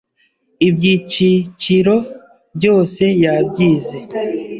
ibyiciciro byose yabyize